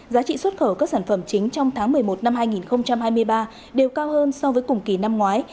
giá trị xuất khẩu các sản phẩm chính trong tháng một mươi một năm hai nghìn hai mươi ba đều cao hơn so với cùng kỳ năm ngoái